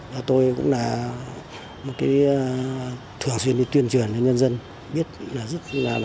và tôi cũng là một cái thường xuyên đi tuyên truyền cho nhân dân